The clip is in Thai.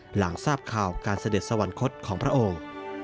หลังทราบข่าวการเสด็จสวรรคตของพระองค์